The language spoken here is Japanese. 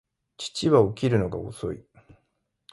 父は起きるのが遅い